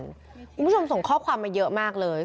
คุณผู้ชมส่งข้อความมาเยอะมากเลย